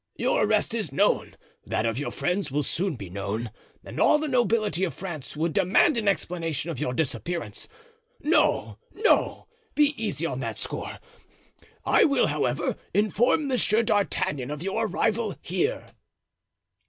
Your arrest is known, that of your friends will soon be known; and all the nobility of France would demand an explanation of your disappearance. No, no, be easy on that score. I will, however, inform Monsieur d'Artagnan of your arrival here."